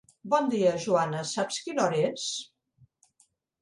Bon dia, Joana, saps quina hora és?